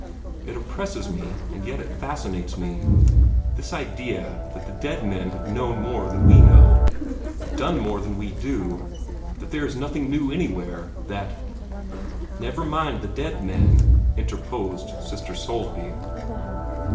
It oppresses me, and yet it fascinates me this idea that the dead men have known more than we know, done more than we do; that there is nothing new anywhere; that " "Never mind the dead men," interposed Sister Soulsby.